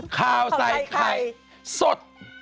ข่าวใส่ไข่สด